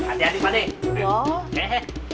hati hati pak de